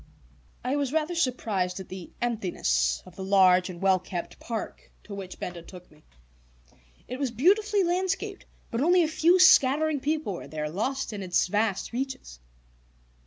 I was rather surprised at the emptiness of the large and well kept park to which Benda took me. It was beautifully landscaped, but only a few scattering people were there, lost in its vast reaches.